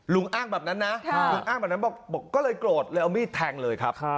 อ้างแบบนั้นนะลุงอ้างแบบนั้นบอกก็เลยโกรธเลยเอามีดแทงเลยครับ